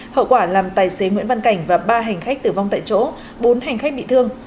hậu quả làm tài xế nguyễn văn cảnh và ba hành khách tử vong tại chỗ bốn hành khách bị thương